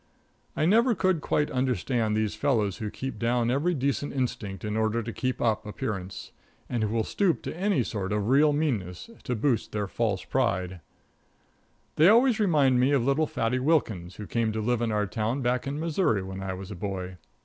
I never could quite understand these fellows who keep down every decent instinct in order to keep up appearance, and who will stoop to any sort of real meanness to boost up their false pride. [Illustration: "Jim Hicks dared Fatty Wilkins to eat a piece of dirt."] They always remind me of little Fatty Wilkins, who came to live in our town back in Missouri when I was a boy.